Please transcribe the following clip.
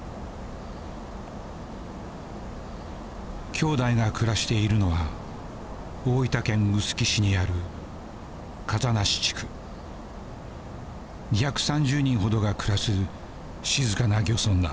兄弟が暮らしているのは大分県臼杵市にある２３０人ほどが暮らす静かな漁村だ。